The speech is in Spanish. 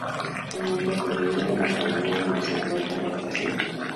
El nombre proviene de la colonia donde se encuentra la estación.